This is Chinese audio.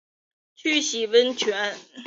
去洗温泉